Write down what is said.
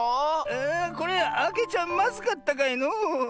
これあけちゃまずかったかのう？